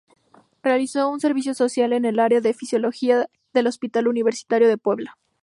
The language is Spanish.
Realizó su servicio social en el área de Fisiología del Hospital Universitario de Puebla.